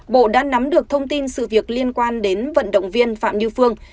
bộ đã nắm được thông tin sự việc liên quan đến vận động viên phạm như phương